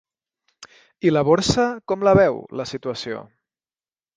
I la borsa, com la veu, la situació?